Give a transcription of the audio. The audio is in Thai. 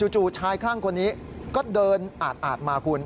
จู่ชายข้างคนนี้ก็เดินอาดมาคุณ